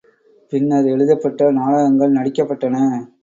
பின்னர், எழுதப்பட்ட நாடகங்கள் நடிக்கப்பட்டன.